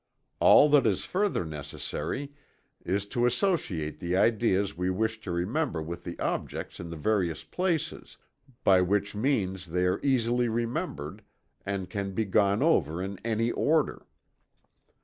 All that is further necessary is to associate the ideas we wish to remember with the objects in the various places, by which means they are easily remembered, and can be gone over in any order.